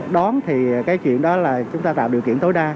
đón thì cái chuyện đó là chúng ta tạo điều kiện tối đa